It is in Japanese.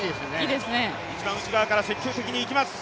一番内側から積極的に行きます。